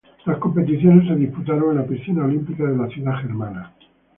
Las competiciones se disputaron en la Piscina Olímpica de la ciudad germana.